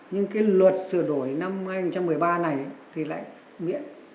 nhưng cái luật sửa đổi năm hai nghìn một mươi ba này thì lại miễn